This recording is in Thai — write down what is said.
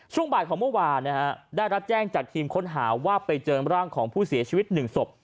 ช่วงบ่ายของเมื่อวานได้รับแจ้งจากทีมค้นหาว่าไปเจอร่างของผู้เสียชีวิต๑ศพ